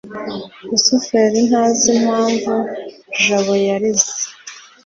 rusufero ntazi impamvu jabo yarize